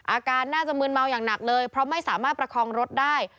อาการน่าจะมืนเมาอย่างหนักเลยเพราะไม่สามารถประคองรถได้